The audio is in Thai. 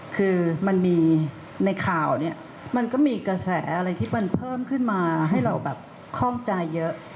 คือมันมีในข่าวเนี่ยมันก็มีกระแสอะไรที่มันเพิ่มขึ้นมาให้เราแบบคล่องใจเยอะ